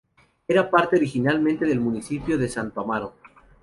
Era parte originalmente del municipio de Santo Amaro.